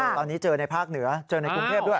ตอนนี้เจอในภาคเหนือเจอในกรุงเทพด้วย